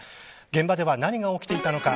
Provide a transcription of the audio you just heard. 現場では何が起きていたのか。